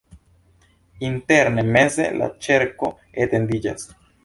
Interne meze la ĉerko etendiĝas.